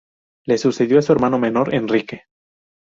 Le sucedió su hermano menor, Enrique.